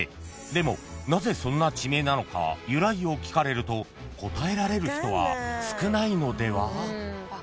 ［でもなぜそんな地名なのか由来を聞かれると答えられる人は少ないのでは？］